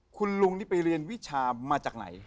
คุณลุงนี่ไปเรียนวิชามาจากไหน